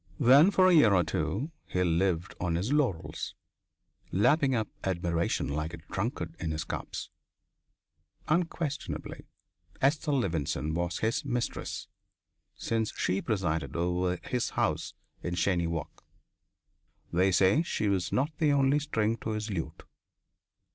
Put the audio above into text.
Then for a year or two he lived on his laurels, lapping up admiration like a drunkard in his cups. Unquestionably, Esther Levenson was his mistress, since she presided over his house in Cheyne Walk. They say she was not the only string to his lute.